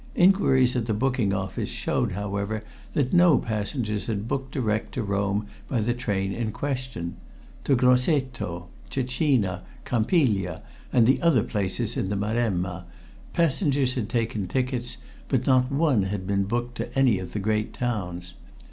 Inquiries at the booking office showed, however, that no passengers had booked direct to Rome by the train in question. To Grossetto, Cecina, Campiglia, and the other places in the Maremma, passengers had taken tickets, but not one had been booked to any of the great towns.